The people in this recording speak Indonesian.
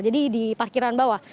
jadi di parkiran bawah